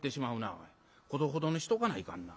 ほどほどにしとかないかんな。